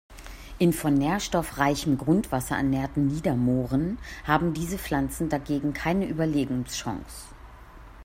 In von nährstoffreichem Grundwasser ernährten Niedermooren haben diese Pflanzen dagegen keine Überlebenschance.